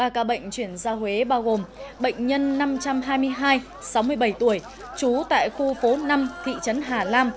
ba ca bệnh chuyển ra huế bao gồm bệnh nhân năm trăm hai mươi hai sáu mươi bảy tuổi trú tại khu phố năm thị trấn hà lam